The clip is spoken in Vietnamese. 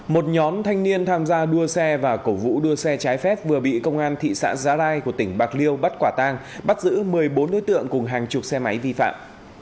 một nhóm thanh niên tham gia đua xe và cổ vũ đua xe trái phép vừa bị công an thị xã giá rai của tỉnh bạc liêu bắt quả tang bắt giữ một mươi bốn đối tượng cùng hàng chục xe máy vi phạm